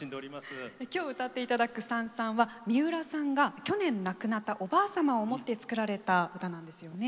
今日歌っていただく「燦燦」は三浦さんが去年亡くなったおばあ様を思って作られた歌なんですよね。